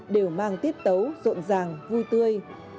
đều mang tiết tấu rộn ràng vui tươi